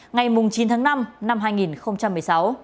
ngày chín tháng năm năm hai nghìn một mươi sáu